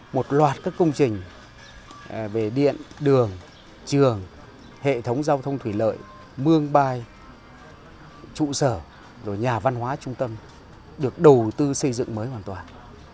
một loạt các công trình về điện đường trường hệ thống giao thông thủy lợi mương bai trụ sở nhà văn hóa trung tâm được đầu tư xây dựng mới hoàn toàn